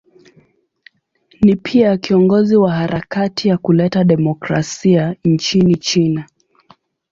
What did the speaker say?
Ni pia kiongozi wa harakati ya kuleta demokrasia nchini China.